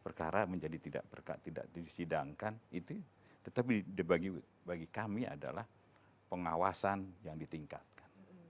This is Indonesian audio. perkara menjadi tidak disidangkan tetapi bagi kami adalah pengawasan yang ditingkatkan